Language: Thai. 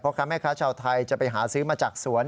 เพราะคำให้ค้าชาวไทยจะไปหาซื้อมาจากสวน